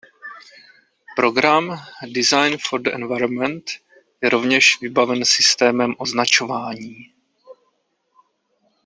Program Design for the Environment je rovněž vybaven systémem označování.